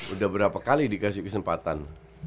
udah berapa kali dikasih kesempatan